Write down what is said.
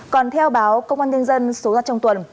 còn theo báo công an nhân dân số ra trong tuần